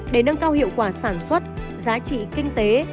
để nâng cao hiệu quả sản xuất giá trị kinh tế